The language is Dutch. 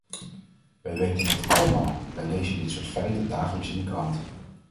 Wij weten het allemaal, wij lezen dit soort feiten dagelijks in de krant.